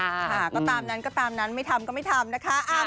ค่ะก็ตามนั้นก็ตามนั้นไม่ทำก็ไม่ทำนะคะ